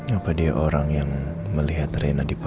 apa yang terjadi